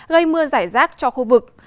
gây mưa giải rác cho khu vực